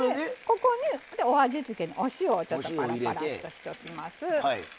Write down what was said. ここにお味付けにお塩をちょっとパラパラッとしておきます。